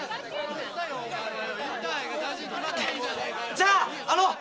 じゃああの。